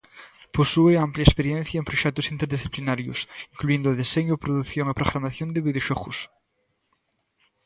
Posúe ampla experiencia en proxectos interdisciplinarios, incluíndo deseño, produción e programación de videoxogos.